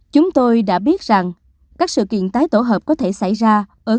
chúng tôi đã biết rằng các sự kiện tái tổ hợp có thể xảy ra